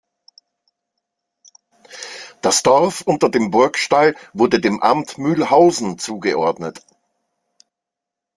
Das Dorf unter dem Burgstall wurde dem Amt Mühlhausen zugeordnet.